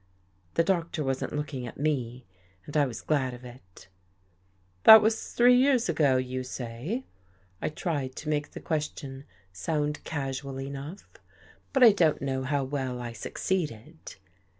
The Doctor wasn't looking at me, and I was glad of it. 56 THE JADE EARRING '' That was three years ago, you say? " I tried to make the question sound casual enough, but I don't know how well I succeeded.